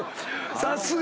さすが！